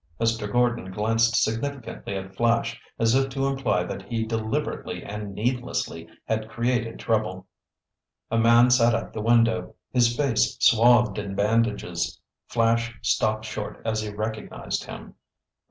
Mr. Gordon glanced significantly at Flash as if to imply that he deliberately and needlessly had created trouble. A man sat at the window, his face swathed in bandages. Flash stopped short as he recognized him.